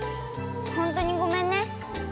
ほんとにごめんね。